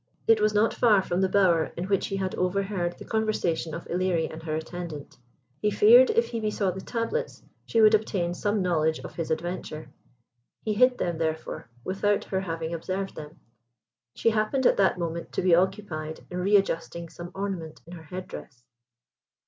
It was not far from the bower in which he had overheard the conversation of Ilerie and her attendant. He feared if Hebe saw the tablets, she would obtain some knowledge of his adventure. He hid them, therefore, without her having observed them. She happened at that moment to be occupied in re adjusting some ornament in her head dress.